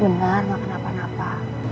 dengar makan apa apa